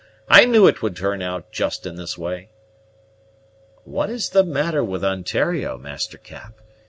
I knew it would turn out just in this way." "What is the matter with Ontario, Master Cap?